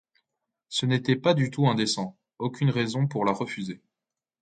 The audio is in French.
Ce n’était pas du tout indécent, aucune raison pour la refuser.